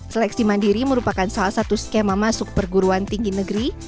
seleksi mandiri merupakan salah satu skema masuk perguruan tinggi negeri